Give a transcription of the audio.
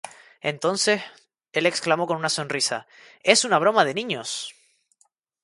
Entonces, el exclamó con una sonrisa: ‘¡Es una broma de niños!